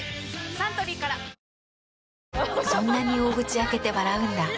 サントリーからそんなに大口開けて笑うんだ。